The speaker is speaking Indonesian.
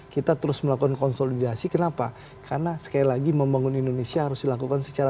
kita terus melakukan konsolidasi kenapa karena sekali lagi membangun indonesia harus dilakukan secara